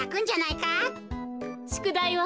しゅくだいは？